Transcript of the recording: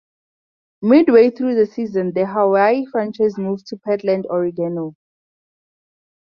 Midway through the season, the Hawaii franchise moved to Portland, Oregon.